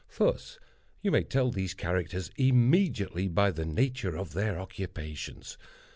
Thus you may tell these characters immediately by the nature of their occupations.